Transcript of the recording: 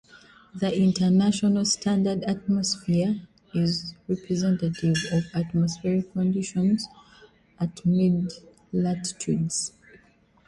The International Standard Atmosphere is representative of atmospheric conditions at mid latitudes.